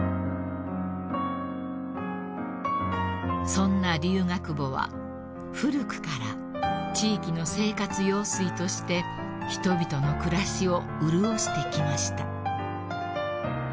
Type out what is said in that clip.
［そんな龍ヶ窪は古くから地域の生活用水として人々の暮らしを潤してきました］